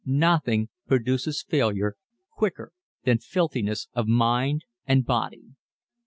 Nothing produces failure quicker than filthiness of mind and body.